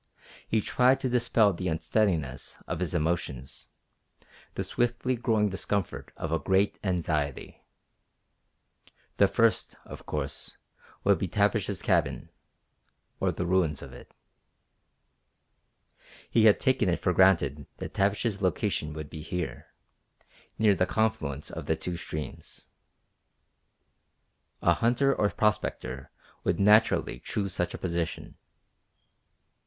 He tried to dispel the unsteadiness of his emotions, the swiftly growing discomfort of a great anxiety. The first, of course, would be Tavish's cabin, or the ruins of it. He had taken it for granted that Tavish's location would be here, near the confluence of the two streams. A hunter or prospector would naturally choose such a position.